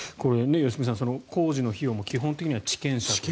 良純さん、工事の費用も基本的には地権者がっていう。